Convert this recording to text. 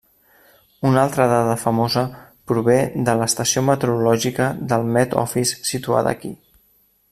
Una altra dada famosa prové de l'estació meteorològica del Met Office situada aquí.